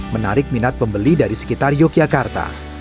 menarik minat pembeli dari sekitar yogyakarta